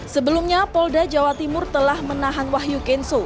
sebelumnya polda jawa timur telah menahan wahyu kenso